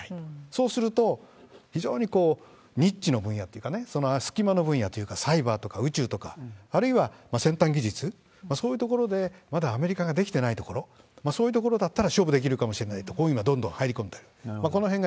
そうすると、非常にニッチの分野というか、隙間の分野というか、サイバーとか宇宙とか、あるいは先端技術、そういうところでまだアメリカができてないところ、そういうところだったら勝負できるかもしれないと、こういうのはどんどん入り込んでる。